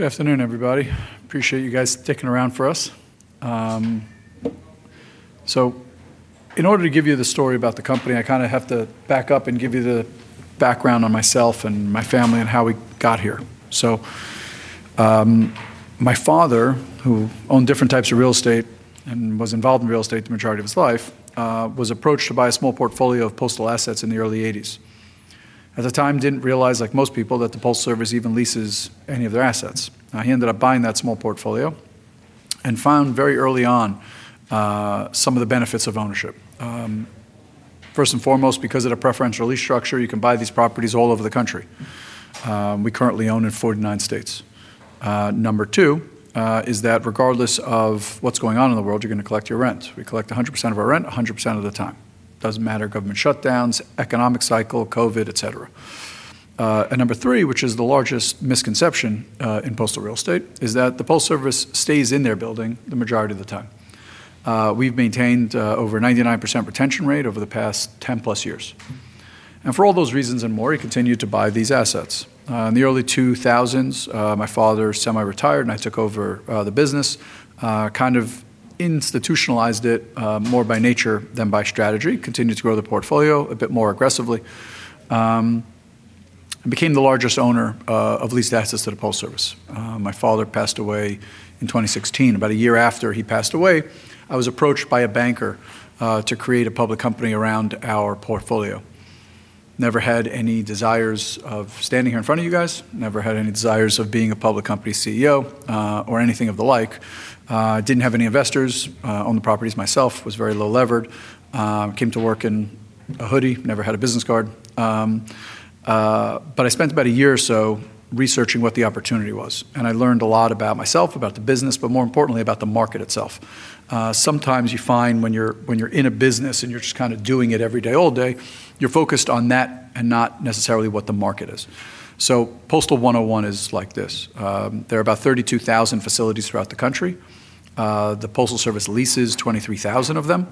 Good afternoon, everybody. Appreciate you guys sticking around for us. In order to give you the story about the company, I kind of have to back up and give you the background on myself and my family and how we got here. My father, who owned different types of real estate and was involved in real estate the majority of his life, was approached to buy a small portfolio of postal assets in the early eighties. At the time, he didn't realize, like most people, that the Postal Service even leases any of their assets. He ended up buying that small portfolio and found very early on some of the benefits of ownership. First and foremost, because of the preferential lease structure, you can buy these properties all over the country. We currently own in 49 states. Number two is that regardless of what's going on in the world, you're going to collect your rent. We collect 100% of our rent, 100% of the time. It doesn't matter if government shutdowns, economic cycle, COVID, et cetera. Number three, which is the largest misconception in postal real estate, is that the Postal Service stays in their building the majority of the time. We've maintained over a 99% retention rate over the past 10+ years. For all those reasons and more, he continued to buy these assets. In the early 2000s, my father semi-retired and I took over the business, kind of institutionalized it, more by nature than by strategy, continued to grow the portfolio a bit more aggressively, became the largest owner of leased assets to the Postal Service. My father passed away in 2016. About a year after he passed away, I was approached by a banker to create a public company around our portfolio. Never had any desires of standing here in front of you guys, never had any desires of being a public company CEO or anything of the like. Didn't have any investors, owned the properties myself, was very low levered, came to work in a hoodie, never had a business card. I spent about a year or so researching what the opportunity was. I learned a lot about myself, about the business, but more importantly, about the market itself. Sometimes you find when you're in a business and you're just kind of doing it every day, all day, you're focused on that and not necessarily what the market is. Postal 101 is like this. There are about 32,000 facilities throughout the country. The Postal Service leases 23,000 of them.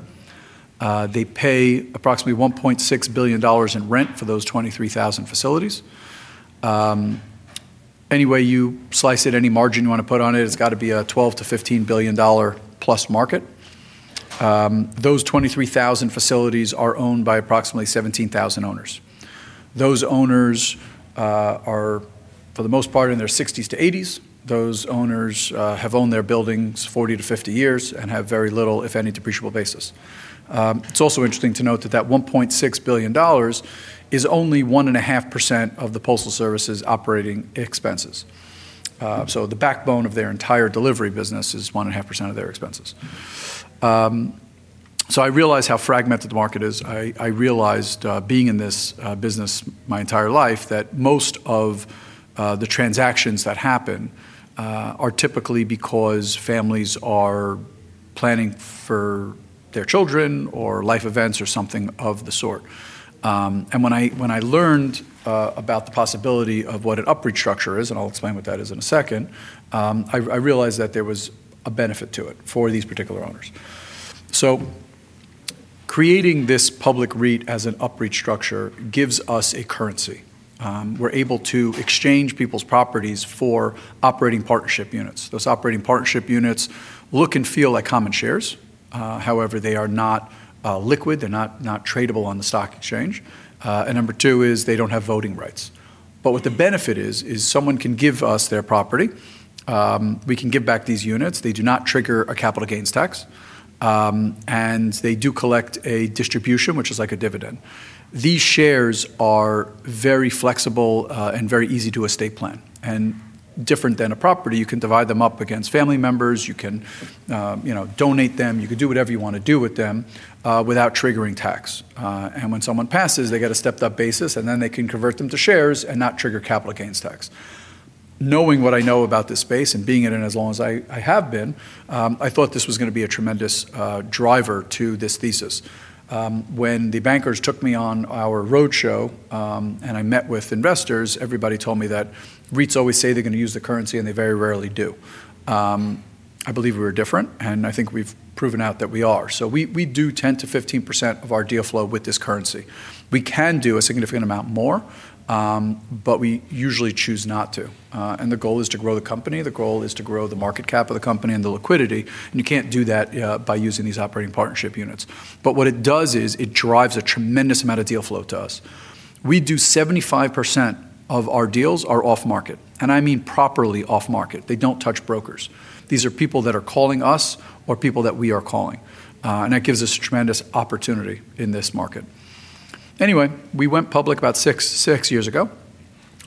They pay approximately $1.6 billion in rent for those 23,000 facilities. Anyway you slice it, any margin you want to put on it, it's got to be a $12 billion-$15 billion plus market. Those 23,000 facilities are owned by approximately 17,000 owners. Those owners are for the most part in their sixties to eighties. Those owners have owned their buildings 40-50 years and have very little, if any, depreciable basis. It's also interesting to note that that $1.6 billion is only 1.5% of the Postal Service's operating expenses. The backbone of their entire delivery business is 1.5% of their expenses. I realized how fragmented the market is. I realized, being in this business my entire life, that most of the transactions that happen are typically because families are planning for their children or life events or something of the sort. When I learned about the possibility of what an UPREIT structure is, and I'll explain what that is in a second, I realized that there was a benefit to it for these particular owners. Creating this public real estate investment trust as an UPREIT structure gives us a currency. We're able to exchange people's properties for operating partnership units. Those operating partnership units look and feel like common shares. However, they are not liquid. They're not tradable on the stock exchange, and number two is they don't have voting rights. What the benefit is, is someone can give us their property, we can give back these units. They do not trigger a capital gains tax, and they do collect a distribution, which is like a dividend. These shares are very flexible and very easy to estate plan. Different than a property, you can divide them up against family members. You can donate them. You could do whatever you want to do with them without triggering tax. When someone passes, they get a stepped up basis and then they can convert them to shares and not trigger capital gains tax. Knowing what I know about this space and being in it as long as I have been, I thought this was going to be a tremendous driver to this thesis. When the bankers took me on our roadshow and I met with investors, everybody told me that REITs always say they're going to use the currency and they very rarely do. I believe we're different and I think we've proven out that we are. We do 10%-5% of our deal flow with this currency. We can do a significant amount more, but we usually choose not to. The goal is to grow the company. The goal is to grow the market cap of the company and the liquidity. You can't do that by using these operating partnership units. What it does is it drives a tremendous amount of deal flow to us. We do 75% of our deals off market. I mean properly off market. They don't touch brokers. These are people that are calling us or people that we are calling. That gives us a tremendous opportunity in this market. We went public about six years ago.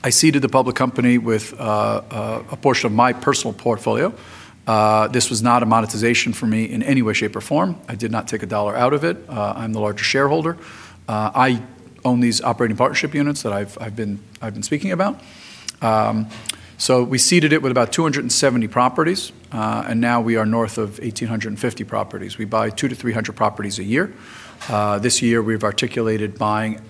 I seeded the public company with a portion of my personal portfolio. This was not a monetization for me in any way, shape, or form. I did not take a dollar out of it. I'm the largest shareholder. I own these operating partnership units that I've been speaking about. We seeded it with about 270 properties, and now we are north of 1,850 properties. We buy 200-300 properties a year. This year we've articulated buying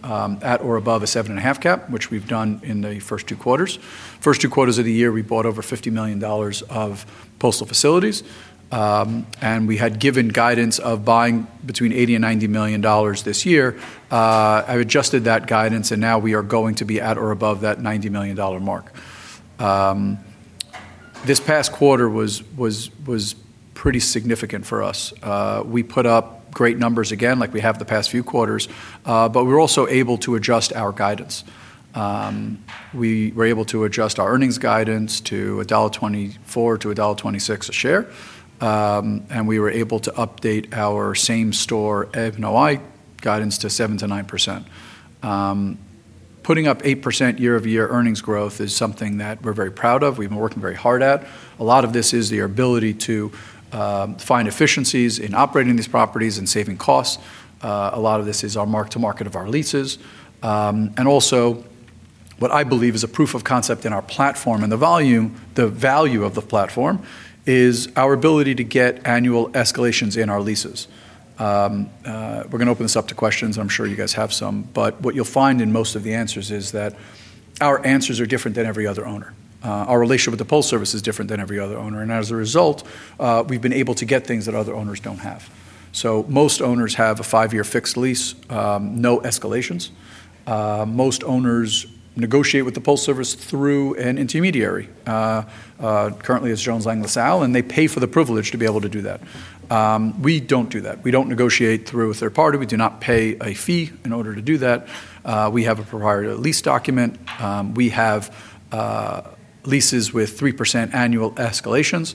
at or above a 7.5% cap, which we've done in the first two quarters. First two quarters of the year we bought over $50 million of postal facilities, and we had given guidance of buying between $80 million and $90 million this year. I've adjusted that guidance and now we are going to be at or above that $90 million mark. This past quarter was pretty significant for us. We put up great numbers again, like we have the past few quarters. We were also able to adjust our guidance. We were able to adjust our earnings guidance to $1.24-$1.26 a share, and we were able to update our same-store NOI guidance to 7%-9%. Putting up 8% year-over-year earnings growth is something that we're very proud of. We've been working very hard at it. A lot of this is the ability to find efficiencies in operating these properties and saving costs. A lot of this is our mark-to-market of our leases, and also what I believe is a proof of concept in our platform and the value of the platform is our ability to get annual escalations in our leases. We're going to open this up to questions. I'm sure you guys have some, but what you'll find in most of the answers is that our answers are different than every other owner. Our relationship with the Postal Service is different than every other owner. As a result, we've been able to get things that other owners don't have. Most owners have a five-year fixed lease, no escalations. Most owners negotiate with the Postal Service through an intermediary. Currently it's Jones Lang LaSalle, and they pay for the privilege to be able to do that. We don't do that. We don't negotiate through a third party. We do not pay a fee in order to do that. We have a proprietary lease document. We have leases with 3% annual escalations.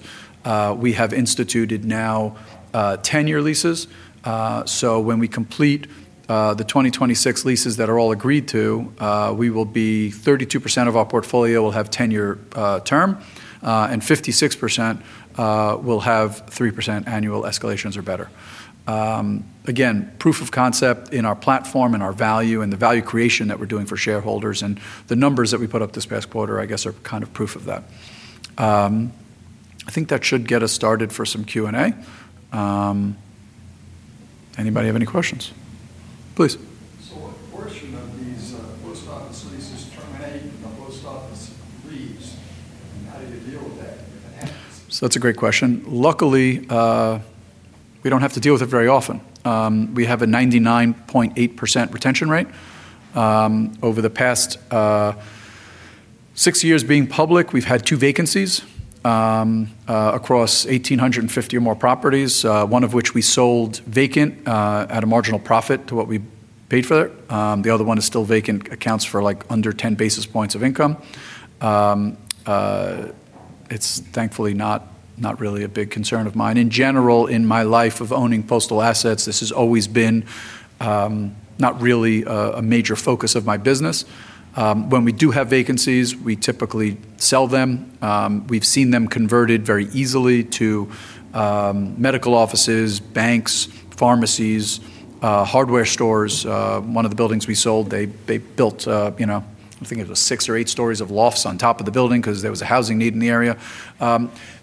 We have instituted now 10-year leases. When we complete the 2026 leases that are all agreed to, 32% of our portfolio will have 10-year term, and 56% will have 3% annual escalations or better. Again, proof of concept in our platform and our value and the value creation that we're doing for shareholders and the numbers that we put up this past quarter, I guess, are kind of proof of that. I think that should get us started for some Q&A. Anybody have any questions? Please. These post office leases terminate if the post office leaves. How do you deal with that? That's a great question. Luckily, we don't have to deal with it very often. We have a 99.8% retention rate. Over the past six years being public, we've had two vacancies across 1,850 or more properties, one of which we sold vacant at a marginal profit to what we paid for that. The other one is still vacant, accounts for under 10 basis points of income. It's thankfully not really a big concern of mine. In general, in my life of owning postal assets, this has always been not really a major focus of my business. When we do have vacancies, we typically sell them. We've seen them converted very easily to medical offices, banks, pharmacies, hardware stores. One of the buildings we sold, they built, you know, I think it was six or eight stories of lofts on top of the building because there was a housing need in the area.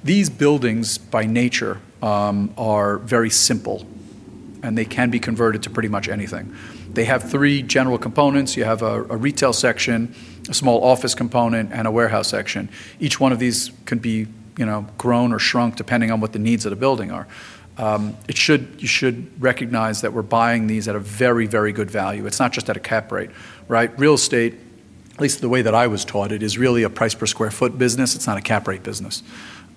These buildings by nature are very simple, and they can be converted to pretty much anything. They have three general components. You have a retail section, a small office component, and a warehouse section. Each one of these can be grown or shrunk depending on what the needs of the building are. You should recognize that we're buying these at a very, very good value. It's not just at a cap rate, right? Real estate, at least the way that I was taught, it is really a price per square foot business. It's not a cap rate business.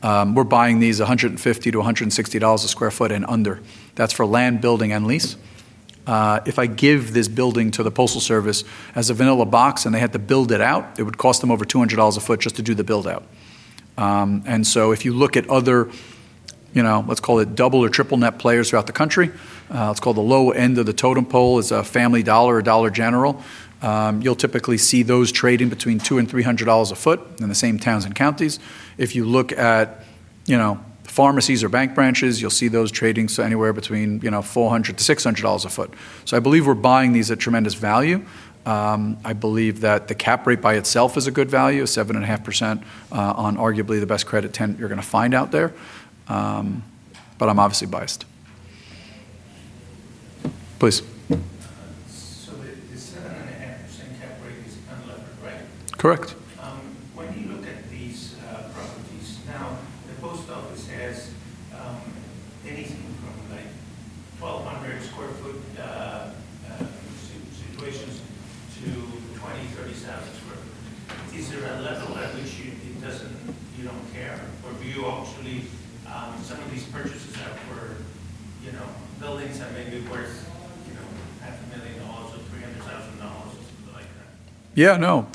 We're buying these $150-$160 a sq ft and under. That's for land, building, and lease. If I give this building to the Postal Service as a vanilla box and they had to build it out, it would cost them over $200 a foot just to do the build out. If you look at other, you know, let's call it double or triple net players throughout the country, let's call the low end of the totem pole a FAMILY DOLLAR or DOLLAR GENERAL, you'll typically see those trading between $200 and $300 a foot in the same towns and counties. If you look at pharmacies or bank branches, you'll see those trading anywhere between $400-$600 a foot. I believe we're buying these at tremendous value. I believe that the cap rate by itself is a good value, 7.5%, on arguably the best credit tenant you're going to find out there. I'm obviously biased. Please. Correct. When you look at these properties now, the post office has anything from like [400] sq ft situations to 20,000 sq ft, 30,000 sq ft. Is there a level at which you deem it doesn't, you don't care, or do you all believe some of these purchases that were, you know, buildings and maybe worth, you know, $500,000 or $300,000 or something like that? Yeah, no,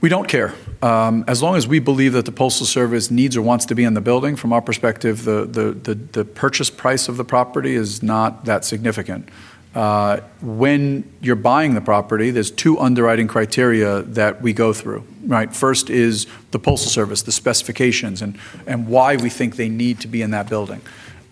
we don't care. As long as we believe that the Postal Service needs or wants to be in the building, from our perspective, the purchase price of the property is not that significant. When you're buying the property, there's two underwriting criteria that we go through, right? First is the Postal Service, the specifications, and why we think they need to be in that building.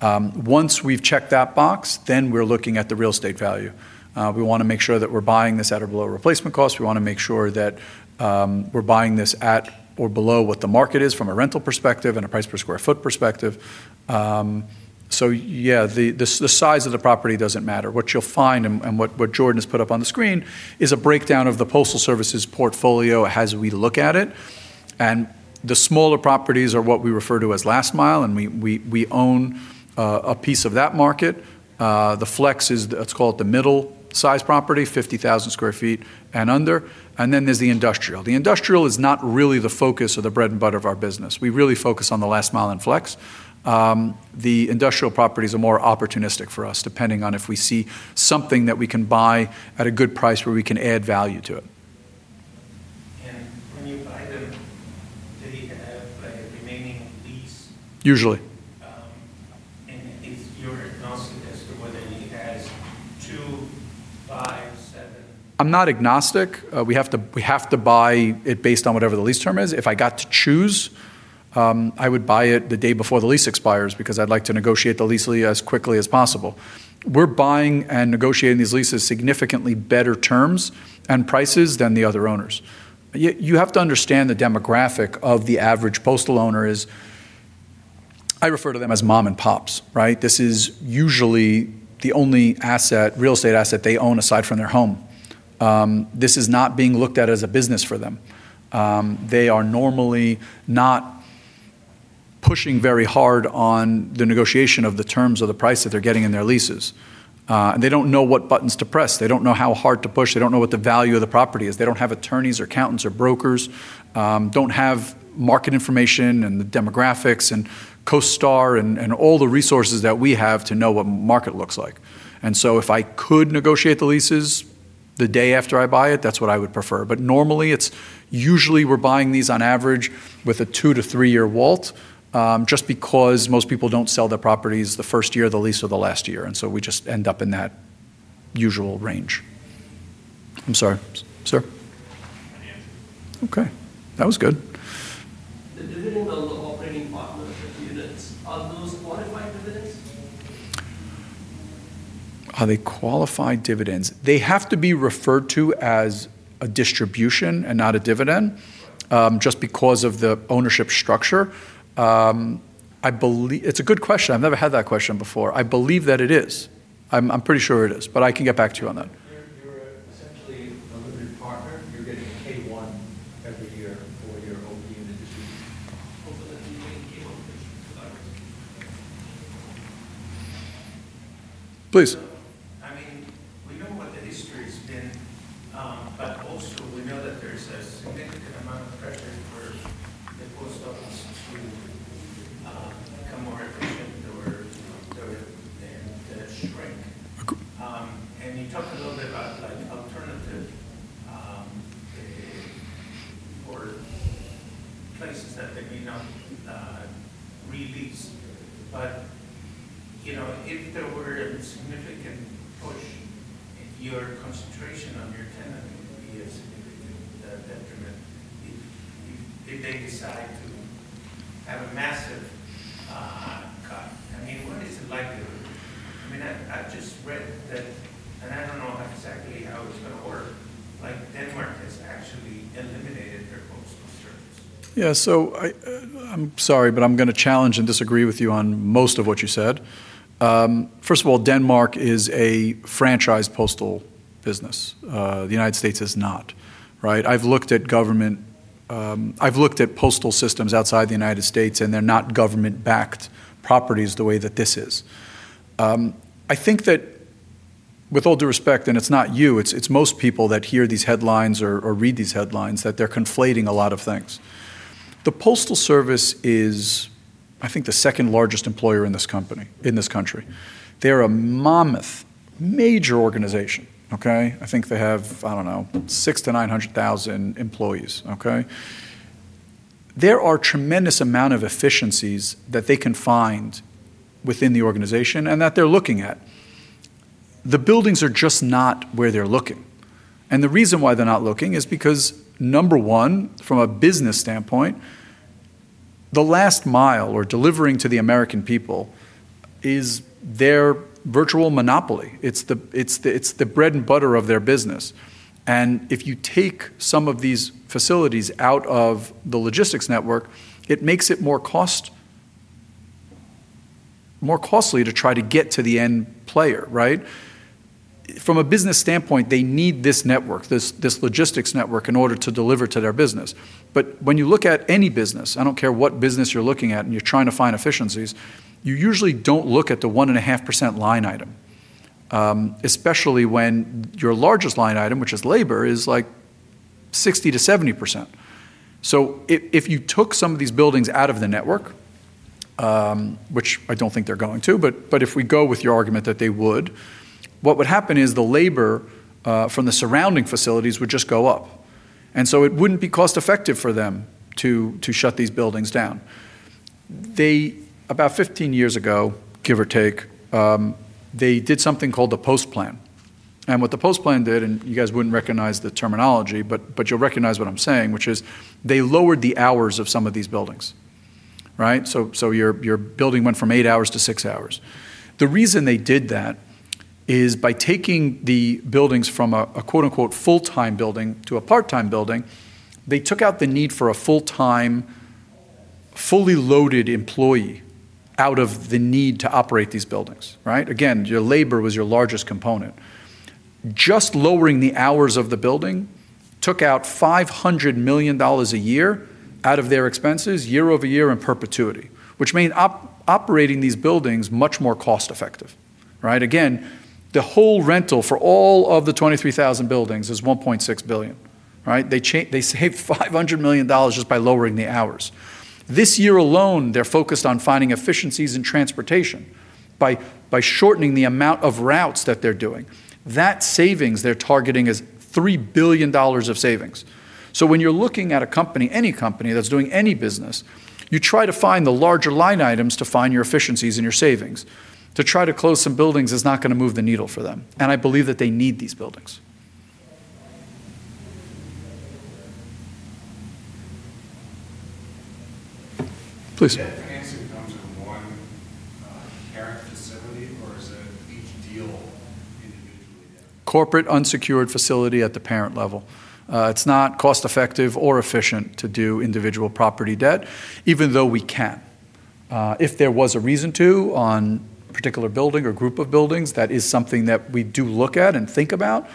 Once we've checked that box, then we're looking at the real estate value. We want to make sure that we're buying this at or below replacement cost. We want to make sure that we're buying this at or below what the market is from a rental perspective and a price per square foot perspective. The size of the property doesn't matter. What you'll find and what Jordan has put up on the screen is a breakdown of the Postal Service's portfolio as we look at it. The smaller properties are what we refer to as last mile, and we own a piece of that market. The flex is, let's call it the middle size property, 50,000 sq ft and under. Then there's the industrial. The industrial is not really the focus of the bread and butter of our business. We really focus on the last mile and flex. The industrial properties are more opportunistic for us, depending on if we see something that we can buy at a good price where we can add value to it. When you buy them, do you have a remaining lease? Usually. Is your agnosticism whether you guys choose? I'm not agnostic. We have to buy it based on whatever the lease term is. If I got to choose, I would buy it the day before the lease expires because I'd like to negotiate the lease as quickly as possible. We're buying and negotiating these leases at significantly better terms and prices than the other owners. You have to understand the demographic of the average postal owner is, I refer to them as mom and pops, right? This is usually the only asset, real estate asset they own aside from their home. This is not being looked at as a business for them. They are normally not pushing very hard on the negotiation of the terms or the price that they're getting in their leases, and they don't know what buttons to press. They don't know how hard to push. They don't know what the value of the property is. They don't have attorneys or accountants or brokers, don't have market information and the demographics and CoStar and all the resources that we have to know what the market looks like. If I could negotiate the leases the day after I buy it, that's what I would prefer. Normally, it's usually we're buying these on average with a 2-3 year WALT, just because most people don't sell their properties the first year of the lease or the last year. We just end up in that usual range. I'm sorry, sir. Okay. That was good. The dividend on the operating partnership units, are those qualified dividends? Are they qualified dividends? They have to be referred to as a distribution and not a dividend, just because of the ownership structure. I believe it's a good question. I've never had that question before. I believe that it is. I'm pretty sure it is, but I can get back to you on that. You're essentially another group partner. You're getting a K-1 every year for your own in the industry. Also, that's your main key office. Please. I mean, we know what the history is. We know that there's a significant amount of pressure for the post office too. You talked a little bit about the alternative, for places that they may not really be seen. If there were a significant push and your concentration on your tenant is significant, that detriment. If you then decide to have a massive cut, I mean, what is the likelihood? I just read that, and I don't know exactly how it's going to work, like Denmark has actually eliminated their own. Yeah, I'm sorry, but I'm going to challenge and disagree with you on most of what you said. First of all, Denmark is a franchised postal business. The United States is not, right? I've looked at government, I've looked at postal systems outside the United States, and they're not government-backed properties the way that this is. I think that with all due respect, and it's not you, it's most people that hear these headlines or read these headlines, that they're conflating a lot of things. The Postal Service is, I think, the second largest employer in this country. They're a mammoth, major organization, okay? I think they have, I don't know, 600,000-900,000 employees, okay? There are a tremendous amount of efficiencies that they can find within the organization and that they're looking at. The buildings are just not where they're looking. The reason why they're not looking is because, number one, from a business standpoint, the last mile or delivering to the American people is their virtual monopoly. It's the bread and butter of their business. If you take some of these facilities out of the logistics network, it makes it more costly to try to get to the end player, right? From a business standpoint, they need this network, this logistics network in order to deliver to their business. When you look at any business, I don't care what business you're looking at and you're trying to find efficiencies, you usually don't look at the 1.5% line item, especially when your largest line item, which is labor, is like 60%-70%. If you took some of these buildings out of the network, which I don't think they're going to, if we go with your argument that they would, what would happen is the labor from the surrounding facilities would just go up. It wouldn't be cost-effective for them to shut these buildings down. About 15 years ago, give or take, they did something called the Post Plan. What the Post Plan did, and you guys wouldn't recognize the terminology, but you'll recognize what I'm saying, which is they lowered the hours of some of these buildings, right? Your building went from eight hours to six hours. The reason they did that is by taking the buildings from a quote unquote full-time building to a part-time building, they took out the need for a full-time, fully loaded employee out of the need to operate these buildings, right? Again, your labor was your largest component. Just lowering the hours of the building took out $500 million a year out of their expenses, year-over-year in perpetuity, which made operating these buildings much more cost-effective. Right? Again, the whole rental for all of the 23,000 buildings is $1.6 billion. Right? They saved $500 million just by lowering the hours. This year alone, they're focused on finding efficiencies in transportation by shortening the amount of routes that they're doing. That savings they're targeting is $3 billion of savings. When you're looking at a company, any company that's doing any business, you try to find the larger line items to find your efficiencies and your savings. To try to close some buildings is not going to move the needle for them. I believe that they need these buildings. Please. Can I sit down to one parent facility, or is it a huge deal? Corporate unsecured facility at the parent level. It's not cost-effective or efficient to do individual property debt, even though we can. If there was a reason to on a particular building or group of buildings, that is something that we do look at and think about,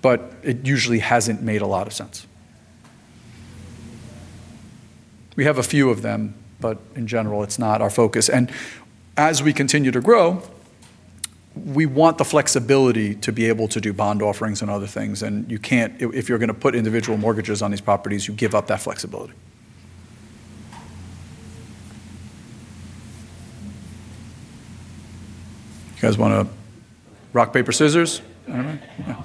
but it usually hasn't made a lot of sense. We have a few of them, but in general, it's not our focus. As we continue to grow, we want the flexibility to be able to do bond offerings and other things. You can't, if you're going to put individual mortgages on these properties, you give up that flexibility. You guys want to rock, paper, scissors? I don't know. Two questions. As I understand it, one of the reasons you're attracted to buyers is because your sellers can do a 1031 exchange. Is that correct?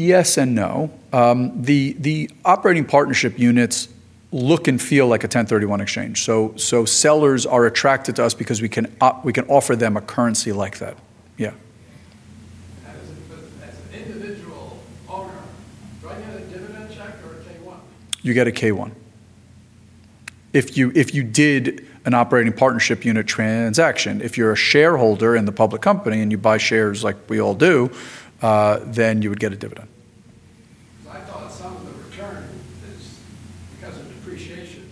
Yes and no. The operating partnership units look and feel like a 1031 exchange. Sellers are attracted to us because we can offer them a currency like that. Yeah. As an individual owner, do I get a dividend check or a Schedule K-1? You get a K-1. If you did an operating partnership unit transaction, if you're a shareholder in the public company and you buy shares like we all do, then you would get a dividend. I thought some of the return is because of depreciation.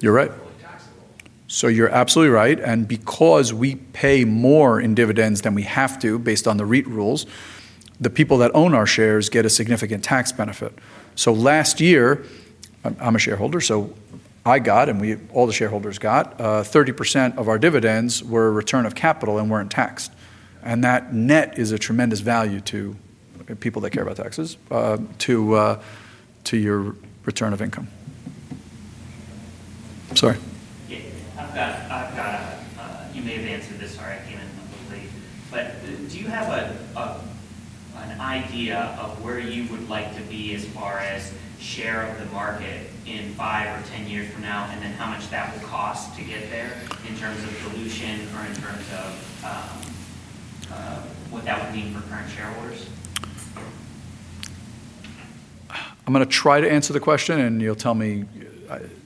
You're right. Yes, you're absolutely right. Because we pay more in dividends than we have to, based on the REIT rules, the people that own our shares get a significant tax benefit. Last year, I'm a shareholder, so I got, and we, all the shareholders got, 30% of our dividends were a return of capital and weren't taxed. That net is a tremendous value to people that care about taxes, to your return of income. I'm sorry. I may have answered this. Sorry, I came in. Do you have an idea of where you would like to be as far as share of the market in five or ten years from now, and then how much that would cost to get there in terms of the lease and current terms of what that would mean for our shareholders? I'm going to try to answer the question, and you'll tell me,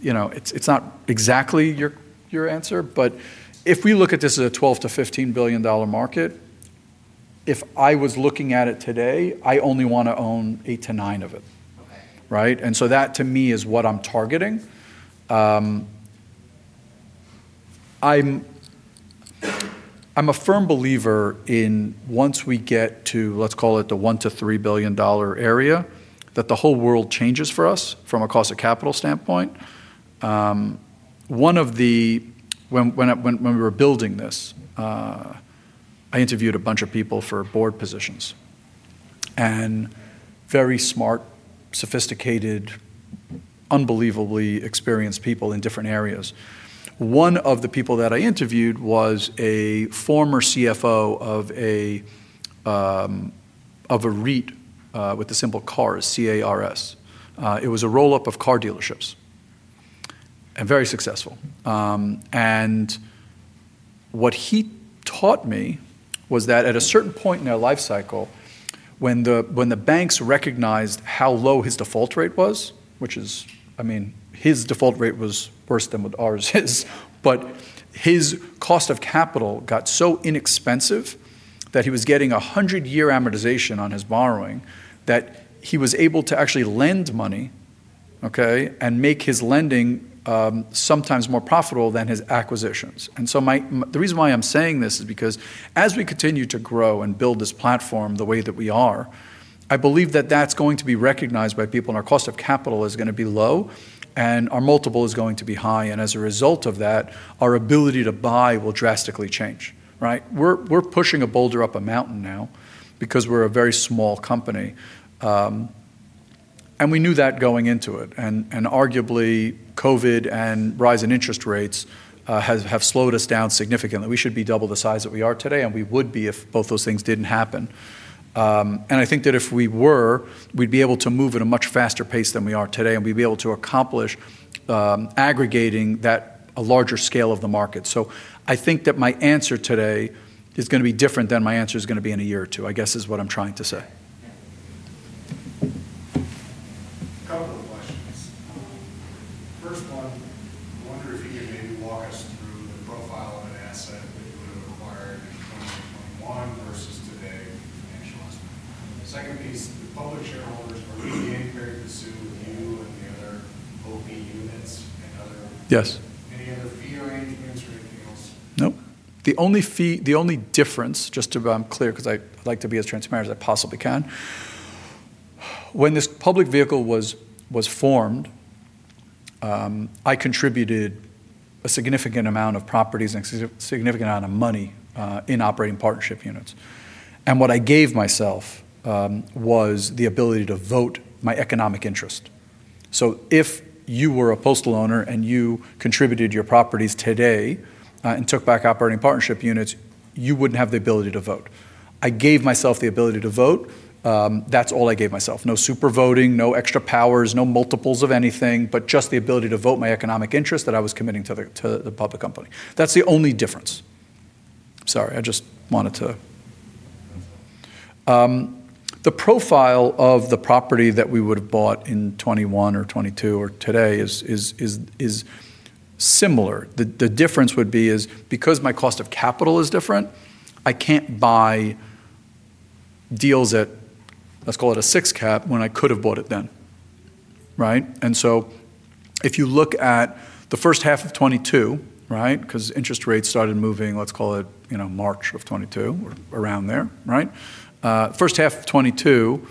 you know, it's not exactly your answer, but if we look at this as a $12 billion-$15 billion market, if I was looking at it today, I only want to own eight to nine of it. Right? That to me is what I'm targeting. I'm a firm believer in once we get to, let's call it the $1 billion-$3 billion area, that the whole world changes for us from a cost of capital standpoint. When we were building this, I interviewed a bunch of people for board positions and very smart, sophisticated, unbelievably experienced people in different areas. One of the people that I interviewed was a former CFO of a REIT, with a simple CARS, C-A-R-S. It was a roll-up of car dealerships and very successful. What he taught me was that at a certain point in their life cycle, when the banks recognized how low his default rate was, which is, I mean, his default rate was worse than what ours is, but his cost of capital got so inexpensive that he was getting 100-year amortization on his borrowing that he was able to actually lend money, okay, and make his lending sometimes more profitable than his acquisitions. The reason why I'm saying this is because as we continue to grow and build this platform the way that we are, I believe that that's going to be recognized by people and our cost of capital is going to be low and our multiple is going to be high. As a result of that, our ability to buy will drastically change. Right? We're pushing a boulder up a mountain now because we're a very small company. We knew that going into it. Arguably COVID and rise in interest rates have slowed us down significantly. We should be double the size that we are today, and we would be if both those things didn't happen. I think that if we were, we'd be able to move at a much faster pace than we are today, and we'd be able to accomplish aggregating that a larger scale of the market. I think that my answer today is going to be different than my answer is going to be in a year or two, I guess, is what I'm trying to say. A couple of questions. First one, wonders do you analyze through the profile of an asset with wires, one versus today in the financial asset. Second piece, other shareholders, at least the end period, see him and the other OP units and other. Yes. Any other feelings or anything else? Nope. The only fee, the only difference, just to be clear, because I like to be as transparent as I possibly can, when this public vehicle was formed, I contributed a significant amount of properties and a significant amount of money, in operating partnership units. What I gave myself was the ability to vote my economic interest. If you were a postal owner and you contributed your properties today and took back operating partnership units, you wouldn't have the ability to vote. I gave myself the ability to vote. That's all I gave myself. No super voting, no extra powers, no multiples of anything, just the ability to vote my economic interest that I was committing to the public company. That's the only difference. Sorry, I just wanted to clarify, the profile of the property that we would have bought in 2021 or 2022 or today is similar. The difference is because my cost of capital is different, I can't buy deals at, let's call it a 6% cap when I could have bought it then. Right? If you look at the first half of 2022, because interest rates started moving, let's call it March of 2022 or around there, the first half of 2022,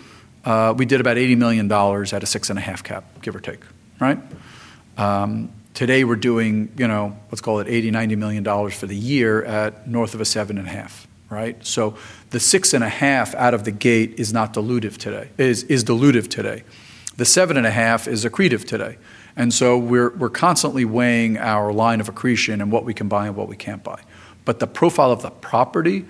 we did about $80 million at a 6.5% cap, give or take. Today we're doing, let's call it $80 million, $90 million for the year at north of a 7.5% cap. The 6.5% out of the gate is dilutive today. The 7.5% is accretive today. We're constantly weighing our line of accretion and what we can buy and what we can't buy. The profile of the property,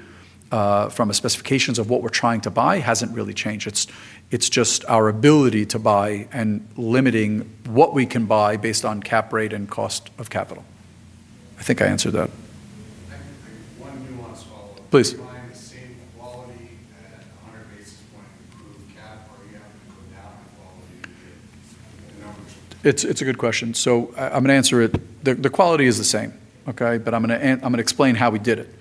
from the specifications of what we're trying to buy, hasn't really changed. It's just our ability to buy and limiting what we can buy based on cap rate and cost of capital. I think I answered that. One nuance, please. Buying the same quality at the 100 basis point. It's a good question. I'm going to answer it. The quality is the same, okay? I'm going to explain how we did it.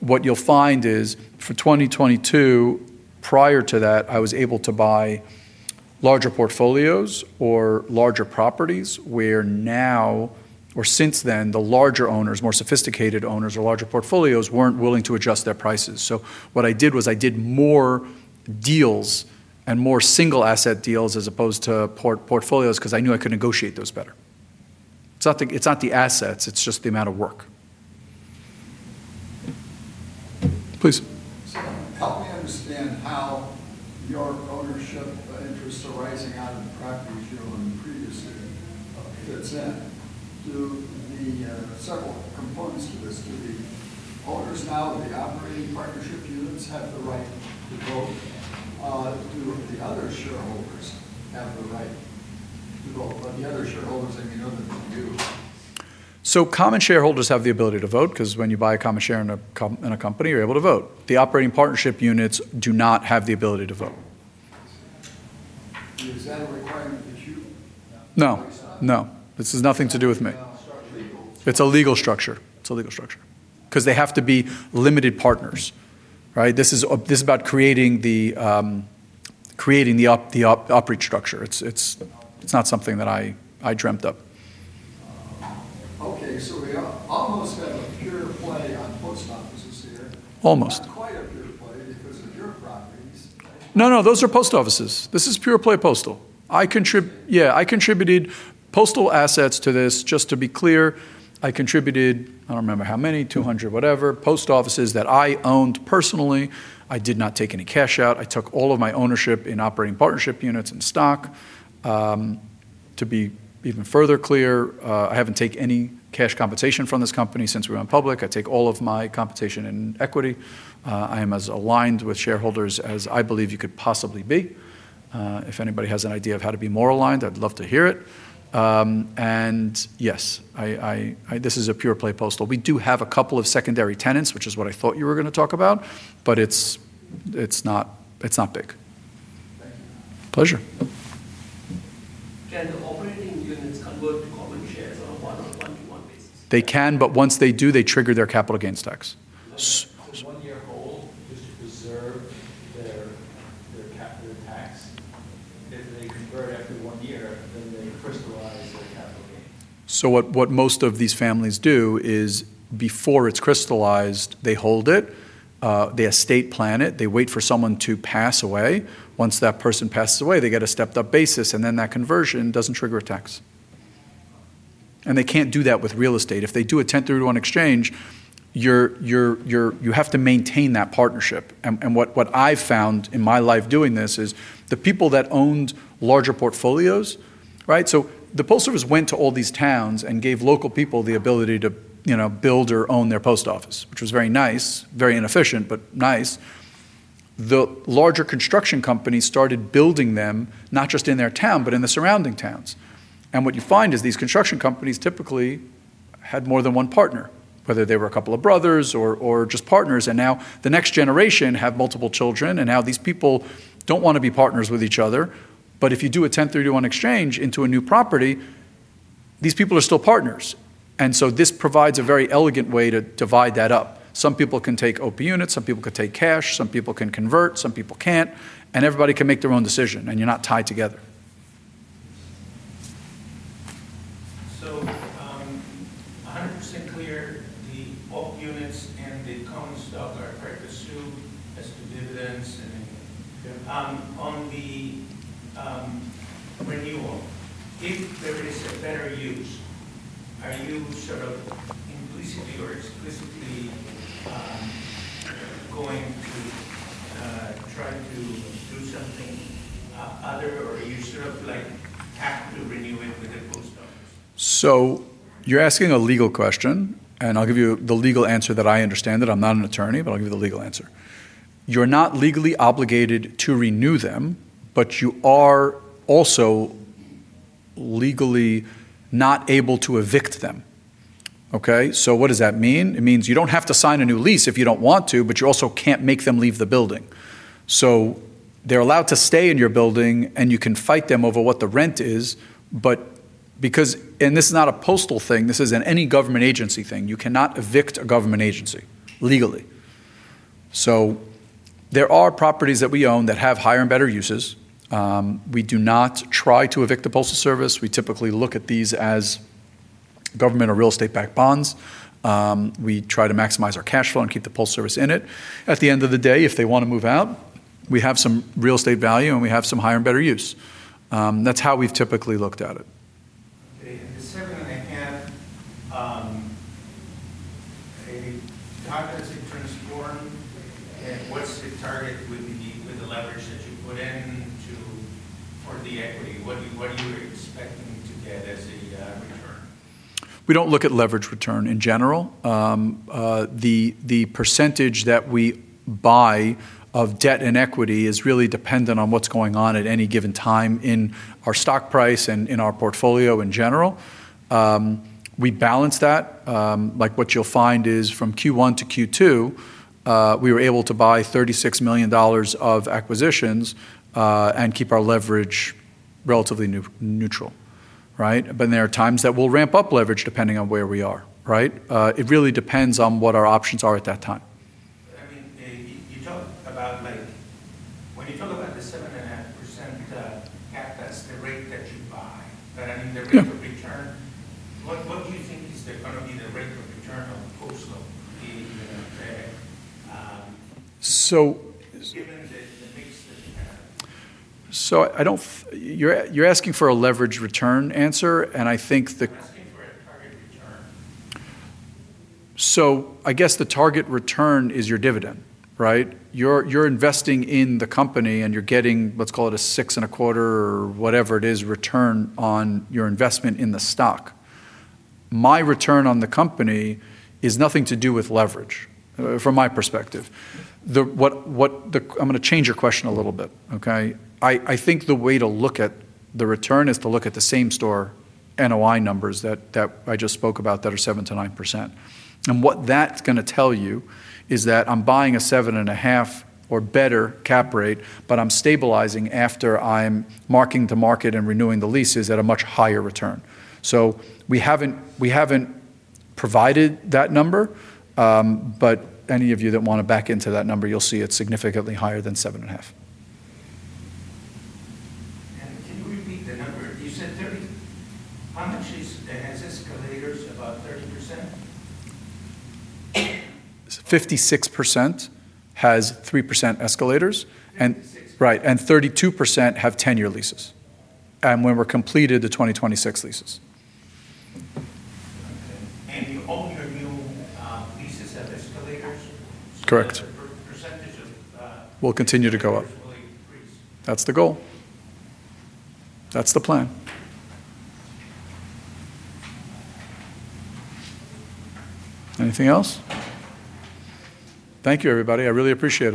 What you'll find is for 2022, prior to that, I was able to buy larger portfolios or larger properties. Now, or since then, the larger owners, more sophisticated owners or larger portfolios weren't willing to adjust their prices. What I did was I did more deals and more single asset deals as opposed to portfolios because I knew I could negotiate those better. It's not the assets, it's just the amount of work. Please. Help me understand how your ownership interests are rising out of the property share on the previous fifth. Several components of this. Do the owners now of the operating partnership units have the right to vote? Do the other shareholders have the right? What do the other shareholders and the owner do? Common shareholders have the ability to vote because when you buy a common share in a company, you're able to vote. The operating partnership units do not have the ability to vote. No, this has nothing to do with me. It's a legal structure. It's a legal structure because they have to be limited partners. This is about creating the UPREIT structure. It's not something that I dreamt up. Okay, we are almost done with pure play. Almost. No, no, those are post offices. This is pure play postal. I contribute, yeah, I contributed postal assets to this. Just to be clear, I contributed, I don't remember how many, 200, whatever, post offices that I owned personally. I did not take any cash out. I took all of my ownership in operating partnership units and stock. To be even further clear, I haven't taken any cash compensation from this company since we went public. I take all of my compensation in equity. I am as aligned with shareholders as I believe you could possibly be. If anybody has an idea of how to be more aligned, I'd love to hear it. Yes, this is a pure play postal. We do have a couple of secondary tenants, which is what I thought you were going to talk about, but it's not big. Pleasure. are good common shares. They can, but once they do, they trigger their capital gains tax. On the year old, they deserve their capital impacts. If they convert after one year, then they crystallize. What most of these families do is before it's crystallized, they hold it. They estate plan it. They wait for someone to pass away. Once that person passes away, they get a stepped up basis, and then that conversion doesn't trigger a tax. They can't do that with real estate. If they do a 1031 exchange, you have to maintain that partnership. What I've found in my life doing this is the people that owned larger portfolios, right? The Postal went to all these towns and gave local people the ability to build or own their post office, which was very nice, very inefficient, but nice. The larger construction companies started building them not just in their town, but in the surrounding towns. What you find is these construction companies typically had more than one partner, whether they were a couple of brothers or just partners. Now the next generation had multiple children, and now these people don't want to be partners with each other. If you do a 1031 exchange into a new property, these people are still partners. This provides a very elegant way to divide that up. Some people can take operating partnership units, some people can take cash, some people can convert, some people can't, and everybody can make their own decision, and you're not tied together. To be 100% clear, the operating partnership units and the common stock are purchased through as per dividends and on the renewal. If there is a better use, are you explicitly going to try to do something other, or do you have to renew it with the [Postal Service]? You're asking a legal question, and I'll give you the legal answer that I understand it. I'm not an attorney, but I'll give you the legal answer. You're not legally obligated to renew them, but you are also legally not able to evict them. What does that mean? It means you don't have to sign a new lease if you don't want to, but you also can't make them leave the building. They're allowed to stay in your building, and you can fight them over what the rent is, but because, and this is not a Postal thing, this is any government agency thing, you cannot evict a government agency legally. There are properties that we own that have higher and better uses. We do not try to evict the Postal Service. We typically look at these as government or real estate backed bonds. We try to maximize our cash flow and keep the Postal in it. At the end of the day, if they want to move out, we have some real estate value and we have some higher and better use. That's how we've typically looked at it. Similarly, again, maybe one is in [Prince Gorn], and what's the target with the leverage that you put in for the equity? What are you expecting to get? We don't look at leverage return in general. The percentage that we buy of debt and equity is really dependent on what's going on at any given time in our stock price and in our portfolio in general. We balance that. What you'll find is from Q1 to Q2, we were able to buy $36 million of acquisitions and keep our leverage relatively neutral. There are times that we'll ramp up leverage depending on where we are. It really depends on what our options are at that time. I mean, you talk about, like, when you talk about the 7.5% cap, that's the rate that you buy. In the pure return, what do you think is the point in the rate of return on Postal being fair? I don't, you're asking for a leverage return answer, and I think the target return is your dividend, right? You're investing in the company and you're getting, let's call it a 6.25% or whatever it is, return on your investment in the stock. My return on the company is nothing to do with leverage from my perspective. I'm going to change your question a little bit, okay? I think the way to look at the return is to look at the same-store NOI numbers that I just spoke about that are 7%-9%. What that's going to tell you is that I'm buying a 7.5% or better cap rate, but I'm stabilizing after I'm marking to market and renewing the leases at a much higher return. We haven't provided that number, but any of you that want to back into that number, you'll see it's significantly higher than 7.5%. Can you repeat the number? You said 30? How much lease has escalators? About 30%? 56% has 3% escalators, and 32% have 10-year leases. When we're completed the 2026 leases. Only renewal leases have escalators? Correct. We'll continue to go up. That's the goal. That's the plan. Anything else? Thank you, everybody. I really appreciate it.